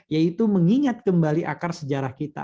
yaitu mengingat kembali akar sejarah kita